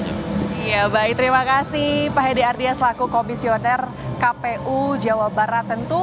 iya baik terima kasih pak hedi ardia selaku komisioner kpu jawa barat tentu